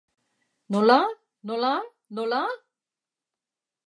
Nola, nola, nola?